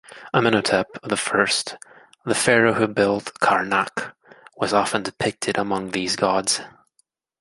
Amenhotep the First, the pharaoh who built Karnak, was often depicted among these gods.